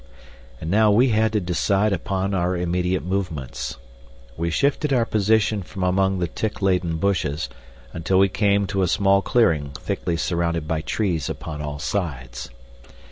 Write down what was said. And now we had to decide upon our immediate movements. We shifted our position from among the tick laden bushes until we came to a small clearing thickly surrounded by trees upon all sides.